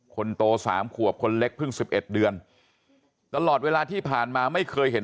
คนโตสามขวบคนเล็กเพิ่ง๑๑เดือนตลอดเวลาที่ผ่านมาไม่เคยเห็น